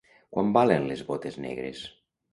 Quant valen les botes negres?